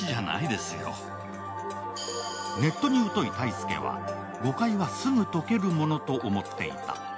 ネットにうとい泰介は誤解はすぐ解けるものと思っていた。